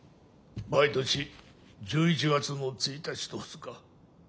毎年１１月の１日と２日。